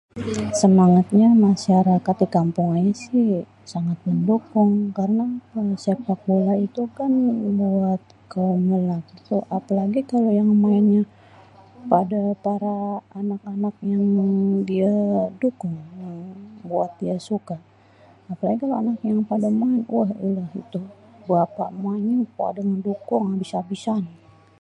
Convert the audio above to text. semangatnya masyarakat di kampung ini sih sangat mendukung.. karena apa, sepak bola itu kan buat kaum lelaki tu apalagi kalo yang mainnya pada para anak-anak yang dia dukung buat dia suka.. apalagi anak yang pada menang wah udah itu bapak èmaknya pada mendukung abis abisan..